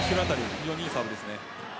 非常にいいサーブです。